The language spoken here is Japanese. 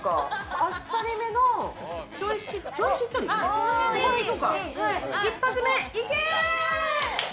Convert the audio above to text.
あっさりめ一発目、行け！